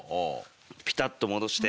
ピタッと戻して。